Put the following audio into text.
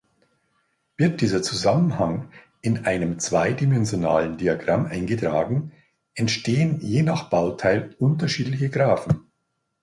Wird dieser Zusammenhang in einem zweidimensionalen Diagramm eingetragen, entstehen je nach Bauteil unterschiedliche Graphen.